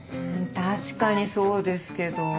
確かにそうですけど。